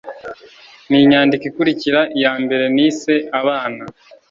ni inyandiko ikurikira iya mbere nise abana